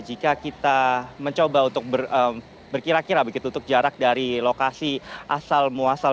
jika kita mencoba untuk berkira kira begitu untuk jarak dari lokasi asal muasal